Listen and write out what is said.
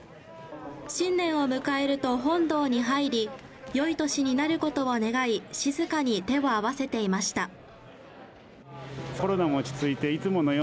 新年を迎えると本堂に入りよい年になることを願い、静かに手を合わせていました。